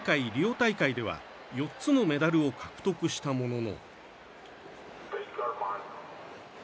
大会では４つのメダルを獲得したものの。